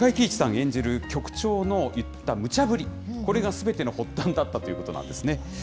演じる局長のいったむちゃぶり、これがすべての発端だったということなんですね。